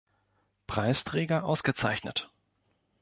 Preisträger ausgezeichnet.